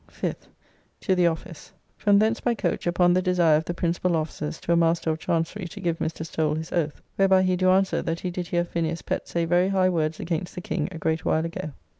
5th. To the office. From thence by coach upon the desire of the principal officers to a Master of Chancery to give Mr. Stowell his oath, whereby he do answer that he did hear Phineas Pett say very high words against the King a great while ago.